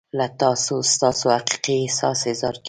له تاسو ستاسو حقیقي احساس اظهار کیږي.